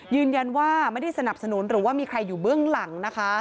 ยืนยันว่าไม่ได้สนับสนุนหรือว่ามีใครอยู่เบื้องหลังนะคะ